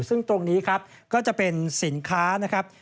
ซึ่งตรงนี้ครับก็จะเป็นสินค้านะครับ